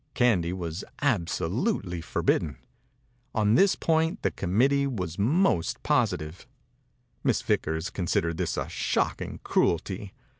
Candy was absolutely forbidden. On this point the committee was most positive. Miss Vickers considered this a shocking cruelty.